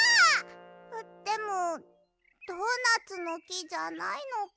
あっでもドーナツのきじゃないのか。